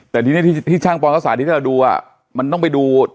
แต่ทีนี้ที่ช่างปอนด์ศาสตร์ที่ที่เราดูอ่ะมันต้องไปดู